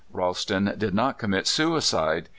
Ralston did not commit suicide.